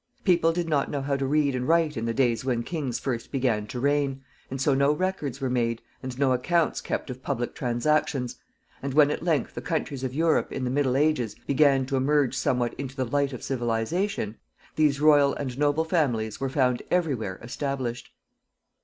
People did not know how to read and write in the days when kings first began to reign, and so no records ere made, and no accounts kept of public transactions; and when at length the countries of Europe in the Middle Ages began to emerge somewhat into the light of civilization, these royal and noble families were found every where established.